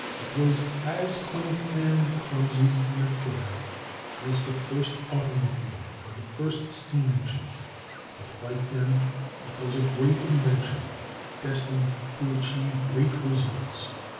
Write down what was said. It was as quaint and clumsy an affair as the first automobile or the first steam engine. But, like them, it was a great invention, destined to achieve great results.